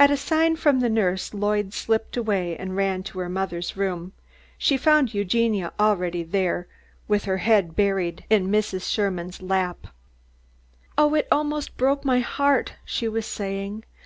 At a sign from the nurse, Lloyd slipped away and ran to her mother's room. She found Eugenia already there, with her head buried in Mrs. Sherman's lap. "Oh, it almost broke my heart!" she was saying.